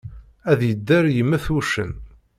Ad yedder yemmet wuccen.